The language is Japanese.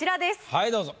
はいどうぞ。